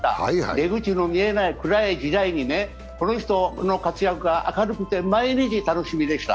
出口の見えない暗い時代にこの人の活躍が明るくて毎日楽しみでした。